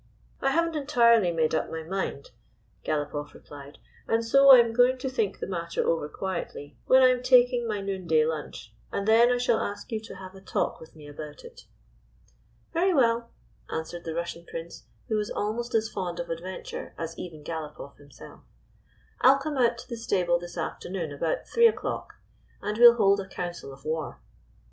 " I have n't entirely made up my mind," Galopoff replied, " and so I am going to think the matter over quietly when I am taking my noonday lunch, and then I shall ask you to have a talk with me about it." " Very well," answered the Russian Prince, who was almost as fond of adventure as even Galopoff himself. "I 'll come out to the stable this afternoon about three o'clock, and we 'll hold a council of war."